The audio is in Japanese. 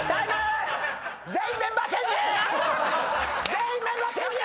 全員メンバーチェンジ！